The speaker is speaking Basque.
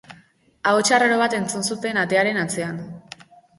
Hots arraro bat entzun zuen atearen atzean.